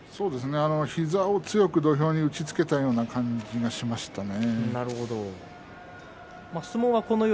膝を強く土俵に打ちつけたような気がしましたね。